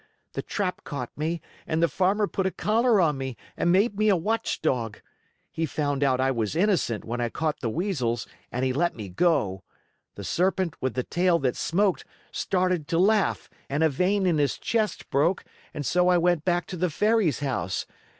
The trap caught me and the Farmer put a collar on me and made me a watchdog. He found out I was innocent when I caught the Weasels and he let me go. The Serpent with the tail that smoked started to laugh and a vein in his chest broke and so I went back to the Fairy's house.